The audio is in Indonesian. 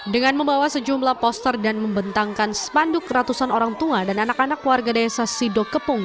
dengan membawa sejumlah poster dan membentangkan sepanduk ratusan orang tunga dan anak anak warga desa sido kepung